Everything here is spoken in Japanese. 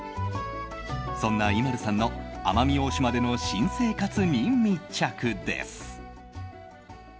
そんなＩＭＡＬＵさんの奄美大島での新生活に密着です。